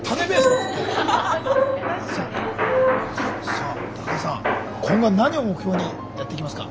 さあ田中さん今後は何を目標にやっていきますか。